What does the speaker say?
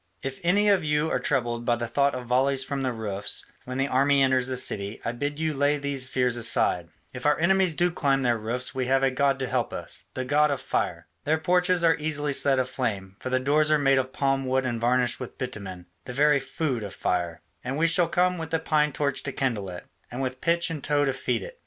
If any of you are troubled by the thought of volleys from the roofs when the army enters the city, I bid you lay these fears aside: if our enemies do climb their roofs we have a god to help us, the god of Fire. Their porches are easily set aflame, for the doors are made of palm wood and varnished with bitumen, the very food of fire. And we shall come with the pine torch to kindle it, and with pitch and tow to feed it.